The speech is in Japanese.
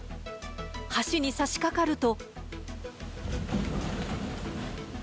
橋にさしかかると。